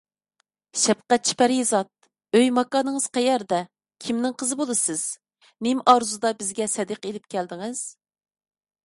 شەپقەتچى پەرىزات، ئۆي - ماكانىڭىز قەيەردە؟ كىمنىڭ قىزى بولىسىز؟ نېمە ئارزۇدا بىزگە سەدىقە ئېلىپ كەلدىڭىز؟